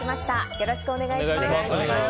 よろしくお願いします。